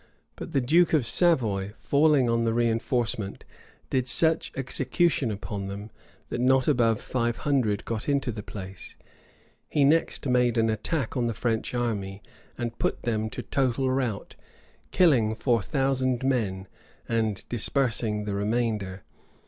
But the duke of Savoy, falling on the reënforcement, did such execution upon them, that not above five hundred got into the place. He next made an attack on the French army, and put them to total rout, killing four thousand men, and dispersing the remainder.